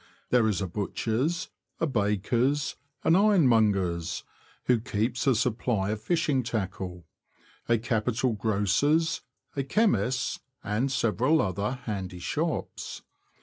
There is a butcher's, a baker's, an ironmonger's (who keeps a supply of fishing tackle), a capital grocer's, a chemist's, and several other handy shops.